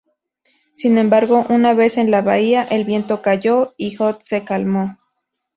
Sin embargo, una vez en la bahía, el viento cayó y Hood se calmó.